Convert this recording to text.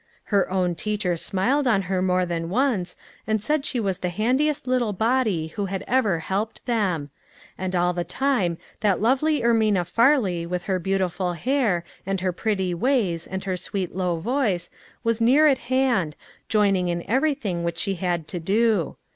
Her own teacher smiled on her more than once, and said she was the handiest little body who had ever helped them ; and all the time that lovely Er mina Fai ley with her beautiful hair, and her pretty ways, and her sweet low voice, was near at hand, joining in everything which she had to do.